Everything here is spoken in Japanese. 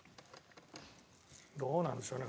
どうなんでしょうね？